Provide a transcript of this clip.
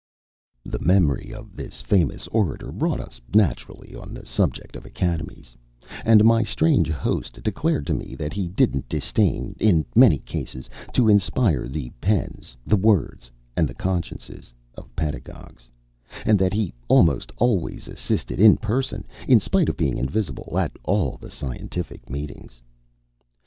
The memory of this famous orator brought us naturally on the subject of Academies, and my strange host declared to me that he didn't disdain, in many cases, to inspire the pens, the words, and the consciences of pedagogues, and that he almost always assisted in person, in spite of being invisible, at all the scientific meetings.